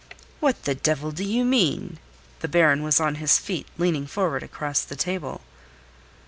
"What the devil do you mean?" The Baron was on his feet, leaning forward across the table.